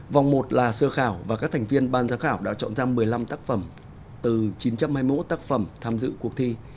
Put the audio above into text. vòng một là sơ khảo và các thành viên ban giám khảo đã chọn ra một mươi năm tác phẩm từ chín trăm hai mươi một tác phẩm tham dự cuộc thi